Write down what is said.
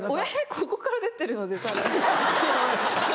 ここから出てるのでサル。